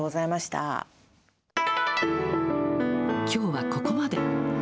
きょうはここまで。